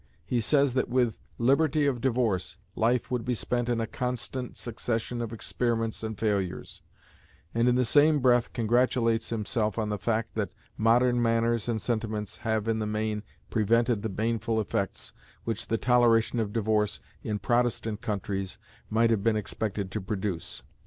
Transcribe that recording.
He says that with liberty of divorce, life would be spent in a constant succession of experiments and failures; and in the same breath congratulates himself on the fact, that modern manners and sentiments have in the main prevented the baneful effects which the toleration of divorce in Protestant countries might have been expected to produce.